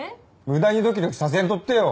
無駄にドキドキさせんとってよ。